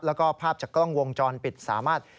แล้วก็ภาพจากกล้องวงจรปิดสามารถ